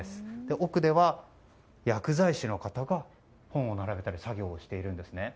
奥では、薬剤師の方が本を並べたり作業をしているんです。